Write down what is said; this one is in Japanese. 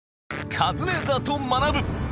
『カズレーザーと学ぶ。』